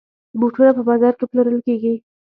بوټونه په بازاز کې پلورل کېږي.